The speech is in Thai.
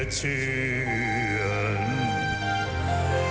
ชูเว็ตตีแสดหน้า